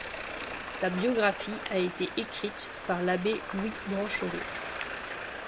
Sa biographie a été écrite par l'abbé Louis Branchereau.